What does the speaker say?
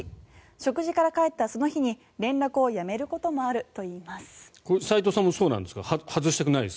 食事から帰ったその日に連絡をやめることもあるといいます。